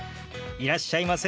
いらっしゃいませ。